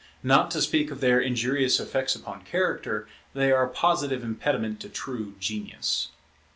Not to speak of their injurious effects upon character, they are a positive impediment to true genius.